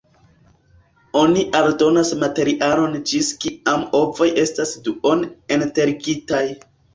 Oni aldonas materialon ĝis kiam ovoj estas duone enterigitaj.